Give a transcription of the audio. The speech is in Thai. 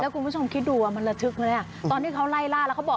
คุณผู้ชมคิดดูว่ามันระทึกไหมอ่ะตอนที่เขาไล่ล่าแล้วเขาบอก